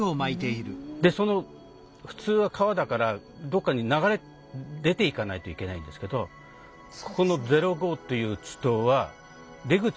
で普通は川だからどっかに流れ出ていかないといけないんですけどこの０５という池溏は出口が見当たらないんですよね。